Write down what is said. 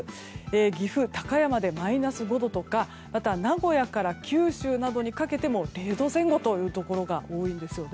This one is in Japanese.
岐阜・高山でマイナス５度とか名古屋から九州などにかけても０度前後というところが多いんですよね。